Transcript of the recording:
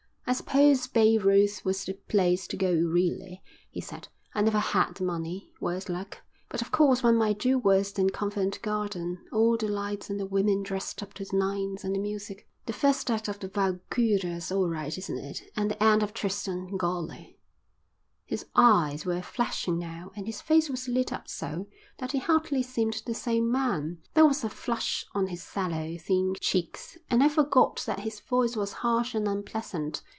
"I suppose Bayreuth was the place to go really," he said. "I never had the money, worse luck. But of course one might do worse than Covent Garden, all the lights and the women dressed up to the nines, and the music. The first act of the Walküre's all right, isn't it? And the end of Tristan. Golly!" His eyes were flashing now and his face was lit up so that he hardly seemed the same man. There was a flush on his sallow, thin cheeks, and I forgot that his voice was harsh and unpleasant.